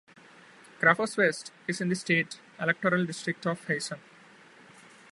Crafers West is in the state electoral district of Heysen.